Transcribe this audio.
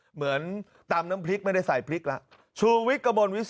เหมือนตามน้ำพริกไม่ได้ใส่พริกล่ะชุวิกกะบลวิศิษฐ์